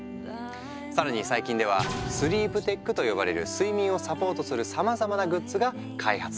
更に最近ではスリープテックと呼ばれる睡眠をサポートするさまざまなグッズが開発されている。